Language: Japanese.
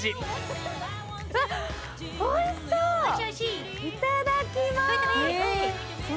いただきます！